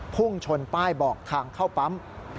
พุ่งชนป้ายบอกทางเข้าปั๊ม